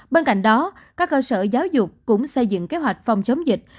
bên cạnh đó các cơ sở giáo dục cũng xây dựng kế hoạch phòng chống dịch